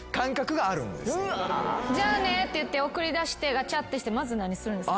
「じゃあね」って言って送り出してガチャってしてまず何するんですか？